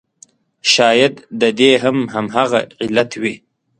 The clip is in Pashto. شاید د دې هم همغه علت وي.